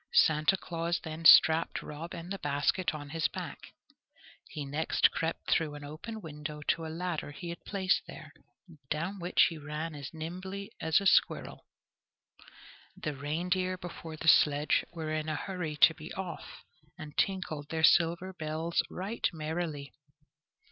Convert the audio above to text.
Santa Claus then strapped Rob and the basket on his back. He next crept through an open window to a ladder he had placed there, down which he ran as nimbly as a squirrel. The reindeer before the sledge were in a hurry to be off, and tinkled their silver bells right merrily.